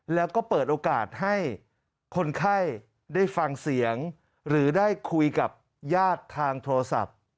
แล้วก็เปิดโอกาสให้คนไข้ได้ฟังเสียงหรือได้คุยกับญาติทางโทรศัพท์